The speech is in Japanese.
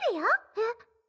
えっ。